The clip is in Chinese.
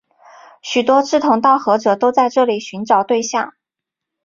许多志同道合者都在这里寻找对象。